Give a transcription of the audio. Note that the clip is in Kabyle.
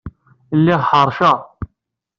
Lliɣ ḥeṛceɣ.